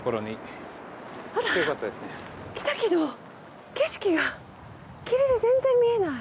来たけど景色が霧で全然見えない。